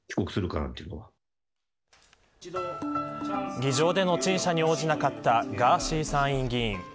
議場での陳謝に応じなかったガーシー参院議員。